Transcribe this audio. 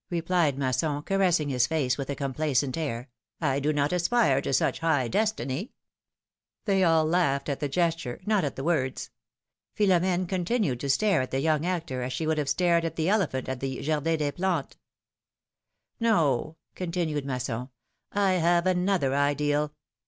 replied Masson, caressing his face with a complacent air ;" I do not aspire to such high destiny !" They all laughed at the gesture, not at the words; 136 PIIILOM^iNE^S MARRIAGES. Philom^ne continued to stare at the young actor as she would have stared at the elephant at the Jardin des Plantes. No/' continued Masson, I have another ideal